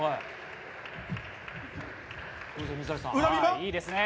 いいですね。